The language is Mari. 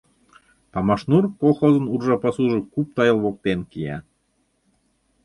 «Памашнур» колхозын уржа пасужо куп тайыл воктен кия.